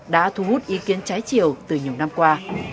đã thu hút ý kiến trái chiều từ nhiều năm qua